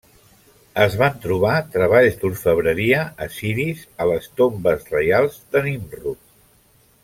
Es van trobar treballs d'orfebreria assiris a les tombes reals de Nimrud.